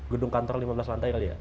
gedung kantor lima belas lantai kali ya